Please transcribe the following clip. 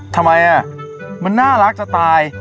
ทำไมมันน่ารักจะตาย